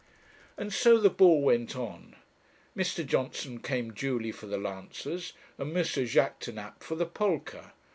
And so the ball went on. Mr. Johnson came duly for the lancers, and M. Jaquêtanàpe for the polka.